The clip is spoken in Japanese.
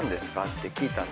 って聞いたの。